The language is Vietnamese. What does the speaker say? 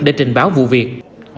để trình báo vụ việc